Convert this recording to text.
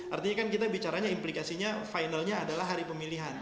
artinya kan kita bicaranya implikasinya finalnya adalah hari pemilihan